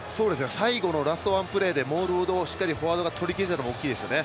最後のラストワンプレーでモールをしっかりフォワードがとりきれたのが大きいですよね。